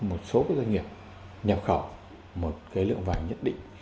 một số doanh nghiệp nhập khẩu một cái lượng vàng nhất định